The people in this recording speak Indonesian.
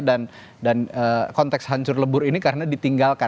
dan konteks hancur lebur ini karena ditinggalkan